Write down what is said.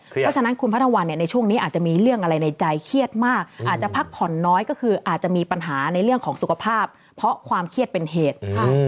เพราะฉะนั้นคุณพระธวรรณในช่วงนี้อาจจะมีเรื่องอะไรในใจเครียดมากอาจจะพักผ่อนน้อยก็คืออาจจะมีปัญหาในเรื่องของสุขภาพเพราะความเครียดเป็นเหตุ